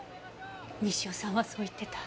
西尾さんはそう言ってた。